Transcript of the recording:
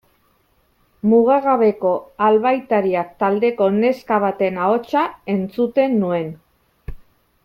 Mugagabeko Albaitariak taldeko neska baten ahotsa entzuten nuen.